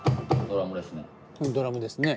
ドラムですね。